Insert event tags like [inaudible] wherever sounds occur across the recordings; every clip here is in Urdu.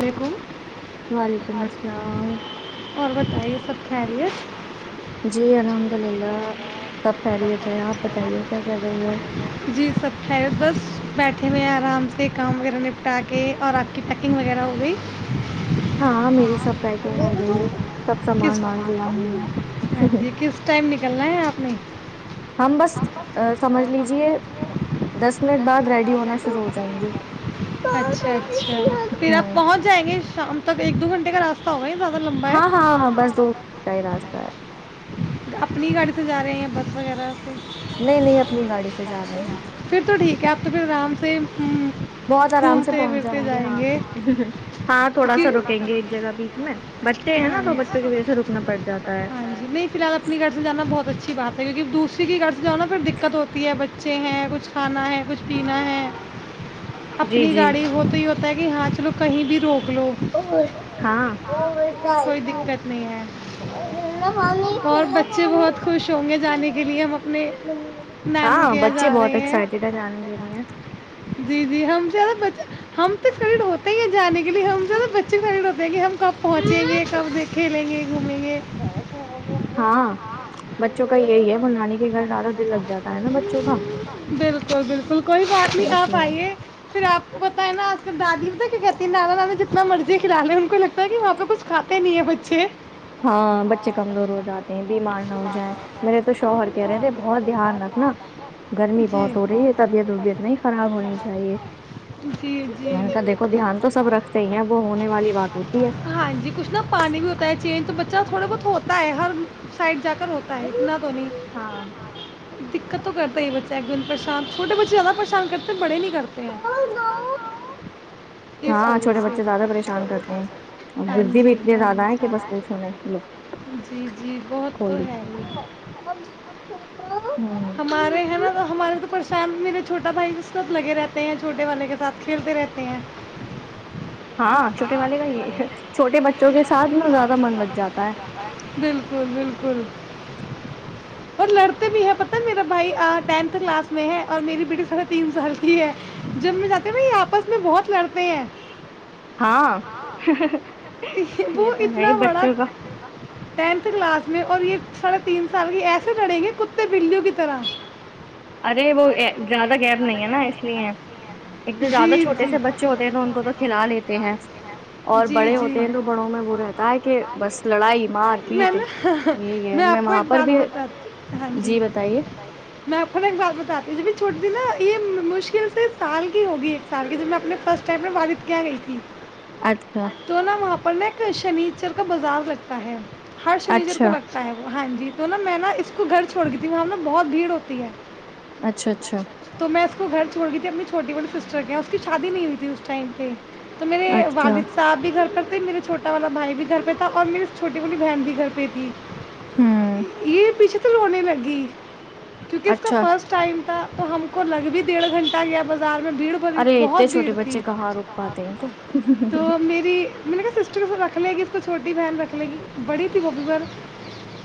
بیکم وعلیکم السلام اور بتائیے سب خاری ہے [inaudible] جی الحمد للہ سب خیریت ہے آپ بتائیے کیا کر رہی ہو یں آرام سے کام وغیرہ نپٹا کے اور آپ کی پیکنگ وغیرہ ہو گئی ہاں میرے سب پہ گئے سب کس سامان مانگ لیا ہوں ہاں جی کس ٹائم نکلنا ہے آپ نے ہم بس سمجھ لیجیے دس منٹ بعد ریڈی ہونا شرع ہو جاؤں گی اچھا اچھا پھر آپ ہ پہنچ جائیں گے شام تک ایک دو گھنٹے کا راستہ ہوگا نا ہاں ہاں ہاں بس دو کا ہی راستہ ہے اپنی ہی گاڑی سے جا رہے ہیں بس وغیرہ سے نہیں نہیں اپنی گاڑی سے جا رہے ہیں پھر تو ٹھیک ہے آپ تو پھر آرام سے بہت آرام سے پہنچ جائیں گے ہاں ہاں تھوڑا سا کیونکہ رکیں گے ایک جگہ بیچ میں بچے ہیں ہاں نا تو بچوں کی وجہ سے رکنا پڑ جاتا ہے ہاں جی نہیں فی الحال اپنے گھر سے جانا بہت اچھی بات ہے کیونکہ دور کی کے گھر سے جاؤ نا پھر دقت ہوتی ہے بچے ہیں کچھ کھانا ہے کچھ پینا ہے جی اپنی جی گاڑی ہو تو ہی ہو تا ہے کہ ہاں چلو کہیں بھی رو ہاں کوئی دقت نہیں ہے اور بچے بہت خوش ہوں گے جانے کے لیے ہم اپنے نانو ہاں کے یہاں بچے جا بہت رہے ہیں ایکسائٹیڈ ہے جانے کے لیے جی جی ہم سےد ہم خریڈ ہوتے ہی ہیں جے کے لیے ہم زدہ بچے خری ہوتے [inaudible] پہنچیں گے کب دے ہاں بچوں کا یہی ہے مول نانی کے گھر زیادہ دل لگ جاتا ہے نا بچوں کا بالکل بالکل کوئی بات تو نہیں اس آپ لیے آئیے پھر آپ پتتا ہے نا آج کل دادی تو کیا کہتی ہے نانا نانا جتنا مرضی کھلاے ان کو لگتا ہے کہ وہاں پہ کچھ کاتے نہیں ہے بچے ہاں بچے کمزور ہو جاتے ہیں بیمار نہ ہو جائیں میرے تو شوہر کہہ رہے تھے بہت دھیان رکھنا گرمی جی بہت ہو رہی ہے طبیعت وبیعت نہیں خراب ہونی چاہیے جی میں نے جی کہا دیکھو دھیان تو سب رکھتے ہی ہیں وہ ہونے والی بات ہوتی ہے ہاں جی کچھ نا پانی بھی ہوتا ہے چینج تو ب بچا تھوڑا بہت ہوتا ہے ہر سائڈ چکر ہوتا ہے اتنا تو نہیں دقت تو کرتا ہے بچہ ایک دن پچھان چھٹے بچےیاد پھان کرتے بے نہیںے کرتے ہیں اس ہاں وجہ چھوٹے سے بچے زیادہ پریشان کرتے ہیں اور ہاں گردی بھی جی اتنے ہاں زیادہ ہیں کہ ج بس پوچھو نہیں لو جی جی بہت تو کھول دی ہے ہی ہوں ہمارے ہیں نا تو ہمارے [inaudible] سب لگے رہتے ہیں جو چھوٹے والے کے ساتھ کھیلتے رہتے ہیں ہاں چھوٹے والے کا یہ چھوٹے بچوں کے ساتھ نا زیادہ من لگ جاتا ہے بالکل بالکل اور لڑتے بھی ہیں پتہ [inaudible] ہے میرا بھائی ٹینتھ کلاس میں ہے اور میری بیٹی ساھے تین سال کی ہے جب میں چاہتی ہ ن یہ آپس میں بہت لڑتے ہیں ہاں یہ وہ تو ہے ہی اتنا بڑا بچوں کا ٹینتھ کلاس میں اور یہ سرے تین سال کی ایسے لڑیں گے ک [inaudible] ارے وہ زیادہ گیپ نہیں ہے نا اس لیے ایک تو جی زیادہ جی چھوٹے سے بچے ہوتے ہیں تو ان کو تو کھلا لیتے ہیں ہیں اور جی بڑے جی ہوتے ہیں تو بڑوں میں وہ رہتا ہے کہ بس لڑائی مار میں پیٹ نا یہ ہے میں آپ کو ایک وہاں پر بھی بات بتاتی جی بتائیے ہم ایک بات بتاتی ہوں جب چھوٹی نا یہ مشکل سے سال ہوگی ایک سال کے جب میں اپنے فرسٹ ٹائم میں بادت کیا گئی تھی [inaudible] اچھا پنا ایک شنیچر کا بزار رکھتا ہے ہر شنیجر کو اچھا لگتا ہے وہ ہاں جی تو نہ میں ن اس کو گھر سے چھوڑ دیتی تھی میں ہ [unintelligible] م ل نے بہت بھیڑ ہوتی ہے اچھا اچھا تو میں اس کو گھر چھوڑ گئی تھی اپنی فوڈی [unintelligible] سسٹر کیا ہیں اس کی شادی نہیں ہوئی تھی اس ٹائم پہ تو میرے اچھا والد صاحب بھی گھر پ تھے میرے چھوٹا والا بھائی بھی گھر پہ تھا اور میرے چھوٹی والی بٹی بہن بھی گ پہ ہوں یہ پیچھ لو [unintelligible] نے لگی کیونکہ اس کا اچھا فسٹ ٹائم تھا تو ہم کو لگ بھی ڈیڑھ گھنٹہ گیا بازار میں بھیڑ بھری ارے اتے بہت بھیڑ چھوٹے بچے تھی کہاں رک پاتے ہیں تو تو میری میں نے کہا سسٹر اس کو رکھ لے گی اس کو چھوٹی بہن رکھ لے گی بڑی تھی وہ بھی بھر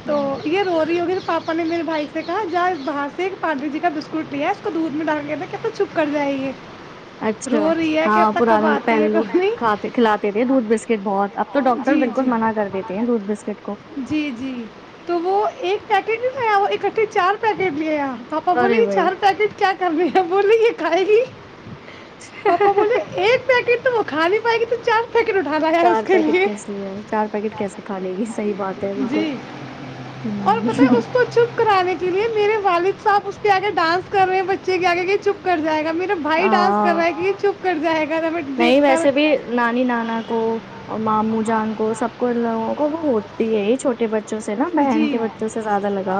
تو ہوں یہ رو رہی ہوگی اپ نے میرے بھائی سے کہا جا باہر سے ایک پانڈو جی کا بسکٹ لیا ہے اس کو دودھ میں ڈال کے دے کہ تو چھپ کر جائیے اچھا ہاں پرانے آتی پہلے ہے کب لوگ نہیں کھاتے کھلاتے تھے دودھ بسکٹ بہت اب تو ڈاکٹر جی جی بالکل منع کر دیتے ہیں دودھ بسکٹ کو جی جی تو وہ ایک پیکٹ بھی آکٹھے چار پیکٹ بھیے آیا پاپا بولیں ارے گے بھائی چار پیکٹ کیا کرنے ہے بولیں گی کھائے گی پاپا بولے ایک پیکٹ تو وہ کھا نہیں پائے گی تو چار پیکٹ اٹھانا اس چار کے پیکٹ لیے کیسے لیا ہے چار پیکٹ کیسے کھا لے گی صحیح بات ہے جی بالکل اور پتا ہ اس کو چپ کرانے کے لیے میرے والد صاحب اگر ڈانس کر رہے ہیں بچے کیا کہ چپ کر جائے گا میرا بھائی ڈانس کر ہاں رہا ہے کہ چپ کر جائے گا ہمیں نہیں دیکھ کر ویسے بھی نانی نانا کو ماموں جان کو سب کو لوگوں کو وہ ہوتی ہے ہی چوٹے بچے جی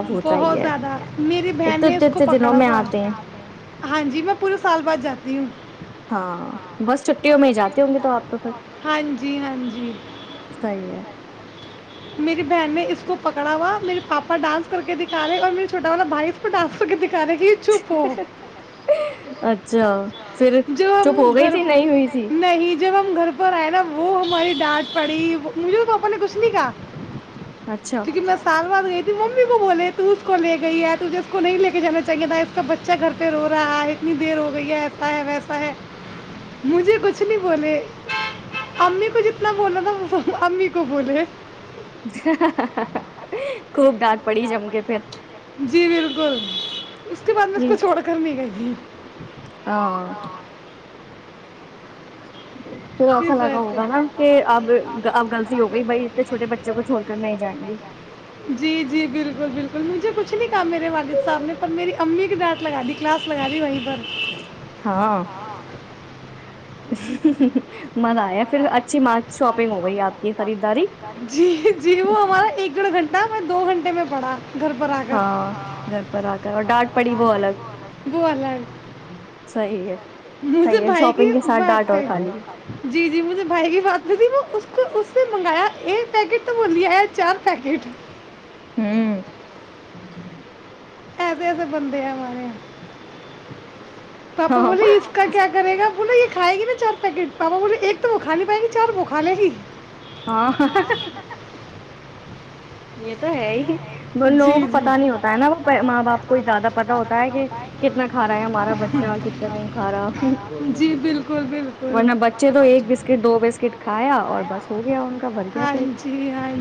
ہوتا ہی بہت ہے زیادہ میری ایک بہن تو نے اس اتنے کو اتنے دنوں پکڑا میں ہوا آتے ہیں ہاں جی میں پورے سال بعد جاتی ہوں ہاں چھٹیوں اور میں ہی جاتے ہوں گے تو ہیں آپ تو پھر بہت ہاں جی ہاں جی صحیح ہے میری بہن نے اس کو پکڑا ہوا میرے پاپا ڈانس کر کے دکھا رہے اور میرےھوٹا والا بھائی اس کو ڈانس کر کے دکھا کرگی چو پ ہو اچھا پھر جو ہم چپ ہو گئی گھر تھی نہیں ہوئی تھی نہیں جب ہم گھر پر آئے نا وہ ہماری ڈانٹ پڑی مجھے توپا پا نے کچھ نہیں کہا اچھا کیونکہ میں سال بعد گئی ت ممی کو بولے تو اس کو لے گئی ہے تجھے اس کو نہیں لے کے جانا چاہیے اس کا بچہ گھر پہ رو رہا ہے اتنی دیر ہو گئی ہے ویسا ہے مجھے کچھ نہیں بولے امی کو جتنا بولانا تھا وہ امی کو بولے [inaudible] پڑی جم کے پھر جی بالکل اس کے بعد میں اس کو چھوڑ کر نہیں گئی تھی ہاں [inaudible] [inaudible] پھر ایسا کس لگا واسطے ہوگا نا کہ اب اب غلطی ہو گئی بھائی انے چھوٹے بچوں کو چھوڑ کر نہیں جائیں گی جی جی بالکل بالکل مجھے کچھ نہیں کہا میرے والد صاحب نے پر میری امی کی ڈانٹ لگا دی کلاس لگا دی وہئی ہاں [inaudible] پھر اچھی مارک شاپنگ ہو گئی آپ کی خریداری جی جی وہ ہمارا ایکڑ گھنٹہ نہ میں دو گھنٹے میں پڑھا گھر پر آ کر ہاں گھر پر آ کر اور ڈانٹ پڑی وہ الگ وہ الگ صیح ہے مجھے صحیح ہے بھائی کی شاپنگ کے ساتھ ڈانٹ بات اور پہ کھا لی جی جی مجھے بھائی کی بات پہ تھی اس نے منگایا یہ پیکٹ تو بوولیا ہے چار پیکٹ [inaudible] ایسے ایسے بند ہیں مارے تو آپ ہاں بوللیے اس کا کیا کرے گا ا نہ یہ کھائے گی نا چار پیکٹ پاپا بولے ایک تو وہ کا نہیں پائیں گی چار بکھال لے گی ہاں یہ تو ہے ہی جی لوگوں کو جی پتا نہیں ہوتا ہے نا وہ ماں باپ کو زیادہ پتا ہوتا ہے کہ کتنا کھا رہا ہے ہمارا بچہ کتنا نہیں کھا رہا جی بالکل بالکل ورنہ بچے تو ایک بسکٹ دو بسکٹ کھایا اور بس ہو گیا ان کا بھر گیا پیٹ ہاں جی ہاں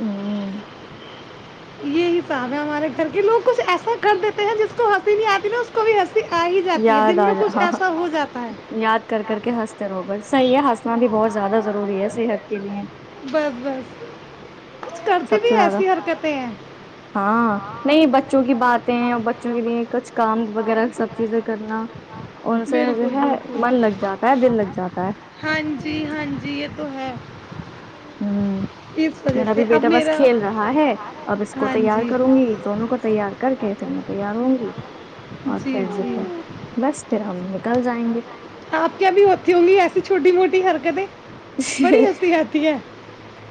ہوں یہی حساب ہے ہمارے گھر کے لوگ کچھ ایسا کر دیتے ہیں جس کو ہنسی نہیں آتی نا اس کو بھی ہ یاد آ جا ہاں جاتا ہے یاد کر کر کے ہنستے روبر صحیح ہے ہنسنا بھی بہت زیادہ ضروری ہے صحت کے لیے بس بس کچھ کرتے سب بھی سے زیادہ ایسی حرکتیں ہیں ہاں نہیں بچوں کی باتیں اور بچوں کے لیے کچھ کام وغیرہ سب چیزیں کرنا ان سے جو بالکل ہے بالکل من لگ جاتا ہے دل لگ جاتا ہے ہاں جی ہاں جی یہ تو ہے ہوں اس وجہ میرا سے بھی اب بیٹا بس میرا کھیل رہا ہے اب اس کو ہاں تیار جی کروں گی دونوں کو تیار کر کے پھر میں تیار ہوں گی اور جی پھر جو جی ہے بس پھر ہم نکل جائیں گے آپ کیا بھی ہوتی ہوں گی ایسی چھوٹی موٹی حرکتیں بڑی ہسیسی آتی ہے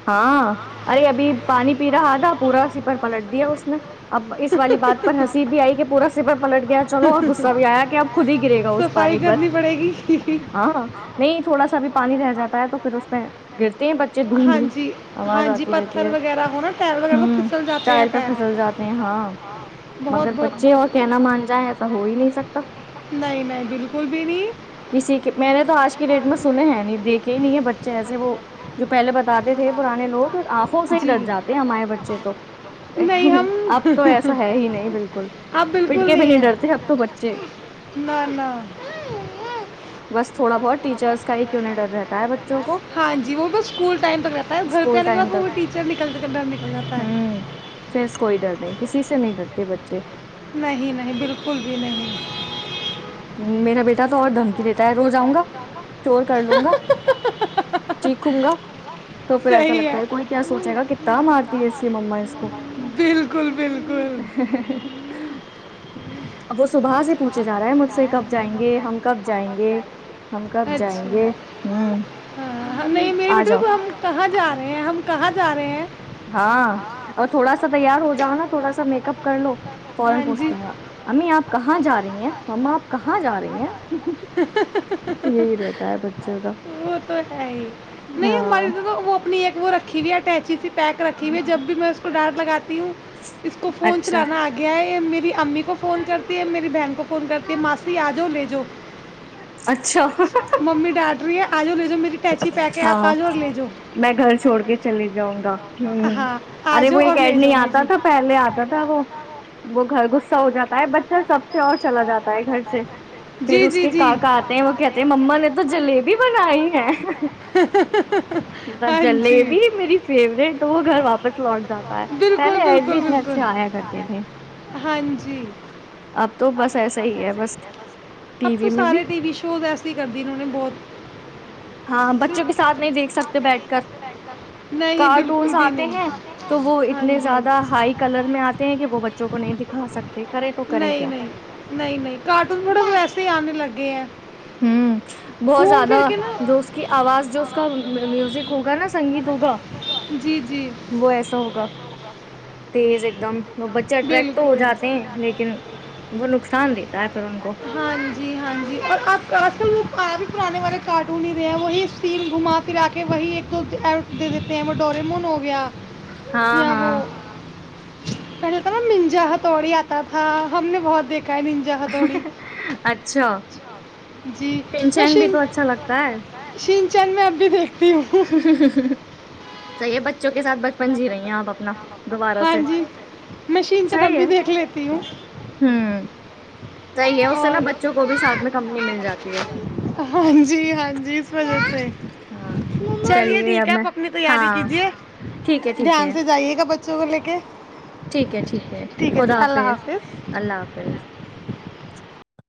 ہاں ارے ابھی پانی پی رہا کھادا پورا س پر پلٹ دیا اس نے اب اس والی بات پر ہنسی بھی آئی کہ پورا سفر پلٹ گیا چلو اور غصہ بھی آیا کہ آپ خود ہی گرے گا اس صفائی پانی پر کرنی پڑے گی ہاں نہیں تھوڑا سا بھی پانی رہ جاتا ہے تو پھر اس میں گرتا [inaudible] ب ہاں دھ جی آواز ہاں جی آتی رہتی پتھر ہے وغیرہ ہو نا ٹائر وغیرہ ہ تو پھسل جاتے ہیں ٹائر پ پیر پھسل جاتے ہیں ہاں بہت مگر بہت بچے بہت اور کہنا مان جائیں ایسا ہو ہی نہیں سکتا نہیں نہیں بالکل بھی نہیں کسی کے میں نے تو آج کی ڈیٹ میں سنے ہیں نہیں دیکھے یہ نہیں ہے بچے ایسے وہ جو پہے بات ے تھے پرانے لوگ آنکھوں سے ہی جی ڈر جاتے ہیں ہمارے بچے تو نہیں ہم اب تو ایسا ہے ہی نہیں بالکل اب بالکل پٹکے بھی نہیں ہے ڈرتے اب تو بچے نہ نہ بس تھوڑا بہت ٹیچرس کا ہی کیوں نہیں ڈر رہتا ہے بچوں کو ہاں جی وہ بس ٹائم پ رہتا ہے گھر پہ اسکول آنے کے ٹائم بعد وہ تک ٹیچر نکلتے کا ڈر نکل جاتا ہے ہوں پھر کوئی ڈر نہیں کسی سے نہیں ڈرتے بچے نہیں نہیں بالکل بھی نہیں میرا بیٹا تو اور دھمکی دیتا ہے روز آؤں گا چور کر لوں گا چیکھوں گا تو پھر ایسا لگتا ہے کوئی کیا سوچے گا کتنا مارتی ہے اس یہ مما اس کو بالکل بالکل ا وہ صبح سے پوچھے جا رہا ہے مج سے کب جائیں گے ہم کب جائیں گے ہم کب جائیں گے اچھا ہوں ہاں نہیں میری آ بیٹی جاؤ ہم کہاں جا رہے ہیں ہم کہاں جا رہے ہیں ہاں اور تھوڑا سا تیار ہو جاؤ نا تھوڑا سا میک اپ کر لو فورن ہاں جی پوچھتے ہیں امی آپ کہاں جا رہی ہیں ما آپ کہاں جا رہی ہیں یہی رہتا ہے بچوں کا وہ تو ہے ہی نہیں ہاں ہماری تو وہ اپنی ایک وہ رکھی [inaudible] پیک رکھی ہوئی ہے جب بھی میں اس کو ڈانٹ لگاتی ہوں اس کو فون اچھا چلانا آ گیا ہے میری امی کو فون کرتی ہے میری بہن کو فون کرتی ہے ماسی آ جاؤ لے جاؤ اچھا اچا ممی ڈیڈ [inaudible] ہاں میں گھر چھوڑ کے چلے جاؤں گا ہ ہاں آ ارے وہ جاؤ ایک اور لے ایڈنی جاؤ آتا مجھے تھا پہلے آتا تھا وہ وہ گھر گغصہ ہو جاتا ہے بچہ سب سے اور چلا جاتا ہے گھر سے پھر جی اس جی کے جی کاکا آتے ہیں وہ کہتے مما نے تو جلیبی بنائی ہے تھا ہاں جی جلیبی میری فیورٹ تو وہ گھر واپس لوٹ جاتا ہے بالکل پہلے ایڈ بھی بالکل اتنے بالکل اچھے آیا کرتے تھے ہاں جی اب تو بس ایسا ہی ہے بس اب ٹی وی تو میں بھی سارے ٹی وی شوز ایس ہی کرتی انہوں نے بہت ہاں بچوں کے ساتھ نہیں دیکھ سکتے بیٹھ کر نہیں بالکل کارٹونس بھی آتے نہیں ہیں تو وہ ہاں اتنے جی زیادہ ہائی کلر میں آتے ہیں کہ وہ بچوں کو نہیں دکھا سکتے کرے تو کرے کیا نہیں ہوں نہیں نہیں نہیں کارٹون تھڑے ویسے ہی آنے لگے ہیں ہ بہت گھوم زیادہ پھر کے نا جو اس کی آواز جو اس کا میوزک ہوگا نا سنگیت ہوگا جی جی وہ ایسا ہوگا تیز ایک دم وہ بچے اٹریکٹ تو ہو بالکل جاتے ہیں لیکن وہ نقصان دیتا ہے پھر ان کو ہاں جی ہاں جی اور آج کل وہ آ بھی پرانے والے کارٹون ہی رہے ہیں وہی سین گھما پھرا کے وہی ایک دو دے دیتے ہیں وہ ڈورمون ہو گیا ہاں ہاں کہ تھا نا منجا ہتھڑی آتا تھا ہم نے بہت دیکھ اچھا جی میں ینشینگ بھی شن تو اچھا لگتا ہے شنچن میں اب بھی دیکھتی ہوں صحیح بچوں کے ساتھ ب پنجی رہی ہیں تو اپنا دوبارہ ہاں سے جی مشین چ صحیح ہے نبی دیکھ لیتی ہوں ہوں صحیح ہے اس سے نا اور بچوں کو بھی ساتھ میں کمپنی مل جاتی ہے ہاں جی ہاں جی اس وجہ سے ہاں چلیے ٹھیک اب ہے میں آپ اپنی تیاری ہاں کیجیے ٹھیک ہے ٹھیک ہے دھیان سے جائیے گا ب چلی کے ٹھیک ہے ٹھیک ہے خدا حافظ اللہ حافظ